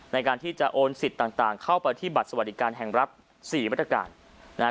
ในการที่จะโอนสิทธิ์ต่างเข้าไปที่บัตรสวัสดิการแห่งรัฐสี่มาตรการนะฮะ